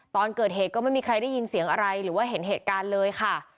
ตอนเกิดเหตุก็ไม่มีใครได้ยินเสียงอะไรหรือว่าเห็นเหตุการณ์เลยค่ะ